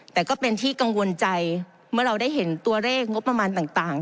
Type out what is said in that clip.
แต่ก็เป็นที่กังวลใจเมื่อเราได้เห็นตัวเลขงบประมาณต่าง